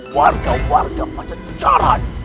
warga warga panjeng jalan